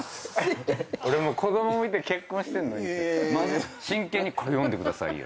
俺もう子供いて結婚してるのに真剣に「これ読んでくださいよ」